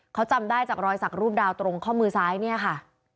เขาจำได้จากรอยสักรูปดาวตรงข้อมือซ้ายเนี่ยค่ะ